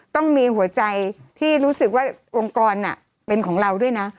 ต้องมีหัวใจที่รู้สึกว่าองค์กรเป็นของเราด้วยนะ